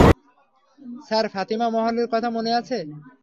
Sir, Fatima মহলের, কথা মনে আছে?